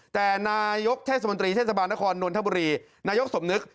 แต่นายกเทศมนตรีเทศบาลนครนนทบุรีนายกสมนึก